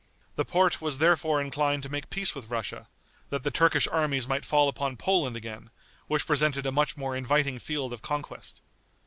The Porte was therefore inclined to make peace with Russia, that the Turkish armies might fall upon Poland again, which presented a much more inviting field of conquest.